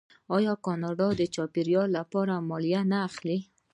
آیا کاناډا د چاپیریال لپاره مالیه نه اخلي؟